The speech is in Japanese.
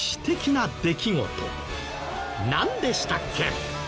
なんでしたっけ？